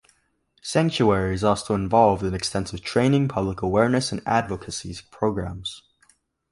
Sanctuary is also involved in extensive training, public awareness, and advocacy programs.